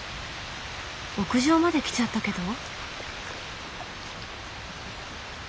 屋上まで来ちゃったけど。